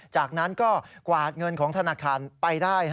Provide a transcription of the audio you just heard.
จากนั้นก็กวาดเงินของธนาคารไปได้